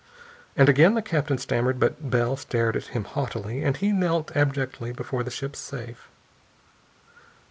And again the captain stammered, but Bell stared at him haughtily, and he knelt abjectly before the ship's safe.